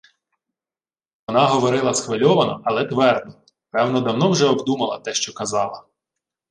Вона говорила схвильовано, але твердо, певно, давно вже обдумала те, що казала: